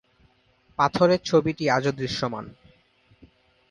পাথরের ছবিটি আজও দৃশ্যমান।